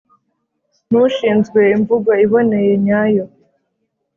n’ushinzwe imvugo iboneye nyayo.